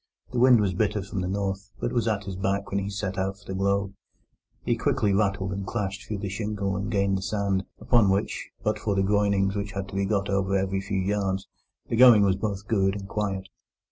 The wind was bitter from the north, but was at his back when he set out for the Globe. He quickly rattled and clashed through the shingle and gained the sand, upon which, but for the groynings which had to be got over every few yards, the going was both good and quiet.